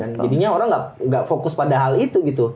dan jadinya orang nggak fokus pada hal itu gitu